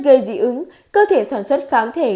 gây dị ứng cơ thể soạn chất kháng thể